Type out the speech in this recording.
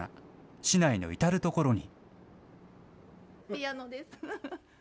市内の至る所に。